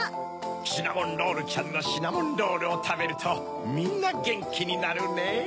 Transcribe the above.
シナモンロールちゃんのシナモンロールをたべるとみんなゲンキになるねぇ。